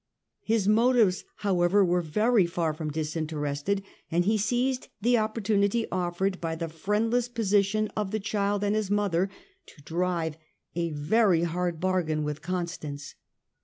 His motives, however, were very far from disinterested, and he seized the opportunity offered by the friendless position of the child and his mother to drive a very hard bargain with Constance.